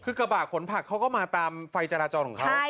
คือกระบะขนผักเขาก็มาตามไฟจราจรของเขา